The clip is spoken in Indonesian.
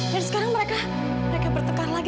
dan sekarang mereka bertengkar lagi